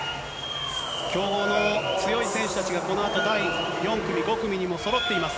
強豪の強い選手たちがこのあと第４組、５組にもそろっています。